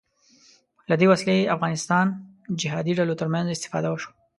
له دې وسلې افغانستان جهادي ډلو تر منځ استفاده وشوه